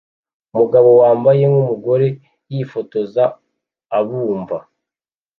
umugabo wambaye nkumugore yifotoza abumva